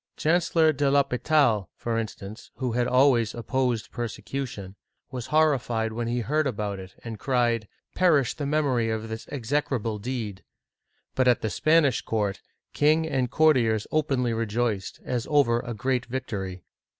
Chancellor de L'H6pital, for instance, who had always opposed persecution, was horrified when he heard about it, and cried, "Perish the memory of this execrable deed! " But at the Spanish court, king and courtiers openly rejoiced, as over a great victory.